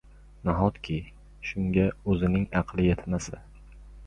Nahotki, shunga o‘zining aqli yetmasa.